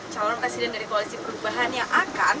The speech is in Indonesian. calon presiden dari koalisi perubahan yang akan